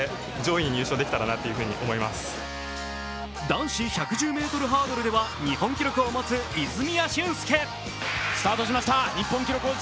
男子１１０ｍハードルでは日本記録を持つ泉谷駿介。